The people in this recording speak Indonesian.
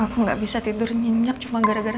aku nggak bisa tidur nyenyak cuma gara gara